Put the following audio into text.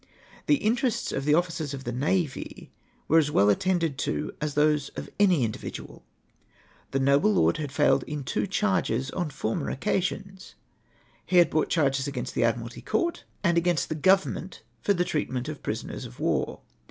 The interests of the officers of the navy were as well attended to as those of any individual. The nolde lord had foiled in two charges on former occasions. He had brought charges against the Admiralty Court, and against the Government for tlie treatment of the prisoners of war.